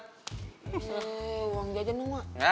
udah senang jalan dong